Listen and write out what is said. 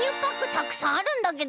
たくさんあるんだけどな。